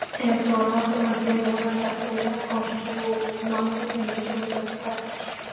En su honor se mantiene una cátedra con su nombre en dicha universidad.